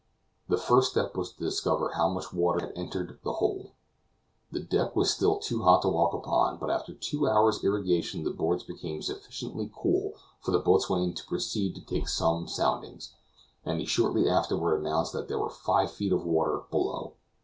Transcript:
The first step was to discover how much water had entered the hold. The deck was still too hot to walk upon; but after two hours' irrigation the boards became sufficiently cool for the boatswain to proceed to take some soundings, and he shortly afterward announced that there were five feet of water below.